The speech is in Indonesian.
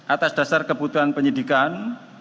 atas dasar kebutuhan penyidikan